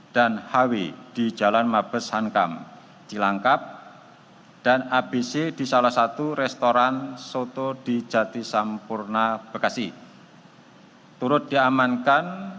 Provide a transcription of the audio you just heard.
tim kpk mendapat informasi adanya penyelenggara negara yang berpengaruh dengan penyelenggara negara